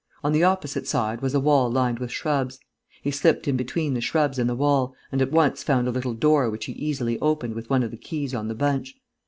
On the opposite side was a wall lined with shrubs. He slipped in between the shrubs and the wall and at once found a little door which he easily opened with one of the keys on the bunch.